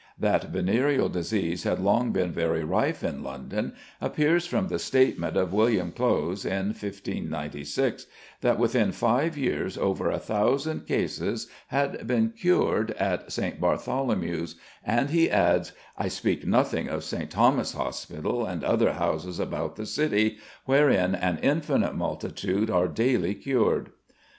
That venereal disease had long been very rife in London appears from the statement of William Clowes in 1596, that within five years over 1,000 cases had been cured at St. Bartholomew's, and he adds, "I speak nothing of St. Thomas Hospitall, and other houses about the city, wherein an infinite multitude are daily cured."